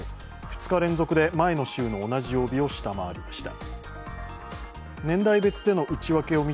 ２日連続で前の週の同じ曜日を下回りました。